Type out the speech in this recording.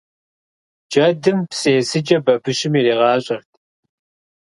Джэдым псы есыкӀэ бабыщым иригъащӀэрт.